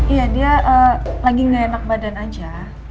iya dia lagi nggak enak badan aja